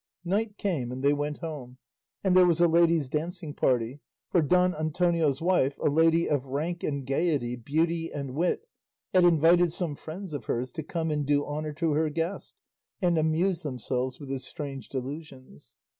Night came and they went home, and there was a ladies' dancing party, for Don Antonio's wife, a lady of rank and gaiety, beauty and wit, had invited some friends of hers to come and do honour to her guest and amuse themselves with his strange delusions.